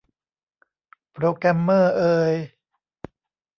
โปรแกรมเมอร์เอย